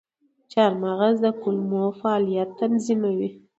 چارمغز د کولمو فعالیت تنظیموي.